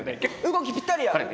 動きぴったりや！